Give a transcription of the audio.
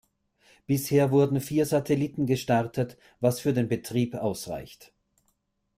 Bisher wurden vier Satelliten gestartet, was für den Betrieb ausreicht.